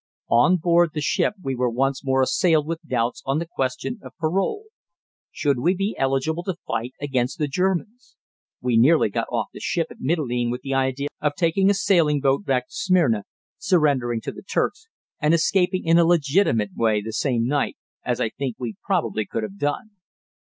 On board the ship we were once more assailed with doubts on the question of parole. Should we be eligible to fight against the Germans? We nearly got off the ship at Mitylene with the idea of taking a sailing boat back to Smyrna, surrendering to the Turks, and escaping in a legitimate way the same night, as I think we probably could have done.